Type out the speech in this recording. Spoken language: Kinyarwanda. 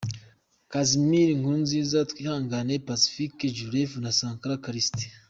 Casimir Nkurunziza, Twihangane Pacifique Shareef na Sankara Callixte